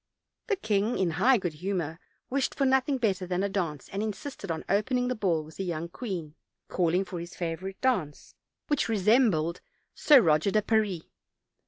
The king, in high good humcr, wished for nothing better than a dance, and insisted on opening the ball with the young queen, calling for his favorite dance, which re sembled "Sir Roger de Paris."